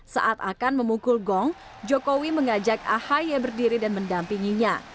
saat akan memukul gong jokowi mengajak ahy berdiri dan mendampinginya